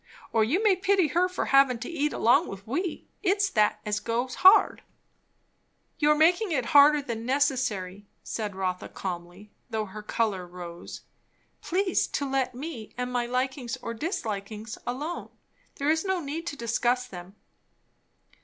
Or you may pity her for havin' to eat along with we; it's that as goes hard." "You are making it harder than necessary," said Rotha calmly, though her colour rose. "Please to let me and my likings or dislikings alone. There is no need to discuss them."